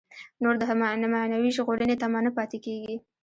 نور د معنوي ژغورنې تمه نه پاتې کېږي.